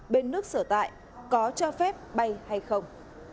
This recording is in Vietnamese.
bên nước sở tại có cho phép bay hay không